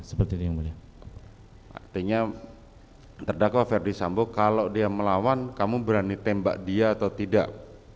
artinya terdakwa ferdi sambo kalau dia melawan kamu berani tembak dia atau tidak